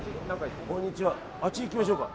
あっち行きましょうか。